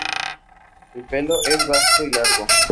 El pelo es basto y largo.